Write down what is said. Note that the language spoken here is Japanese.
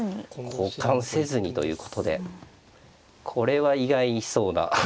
交換せずにということでこれは意外そうな。